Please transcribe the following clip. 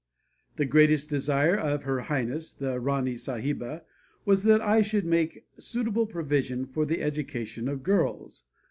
The greatest desire of Her Highness, the Rani Sahiba, was that I should make suitable provision for the education of girls.